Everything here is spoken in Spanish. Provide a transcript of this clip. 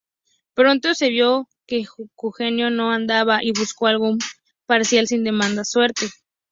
Pronto se vio que Cunego no andaba y busco algún parcial sin demasiada suerte.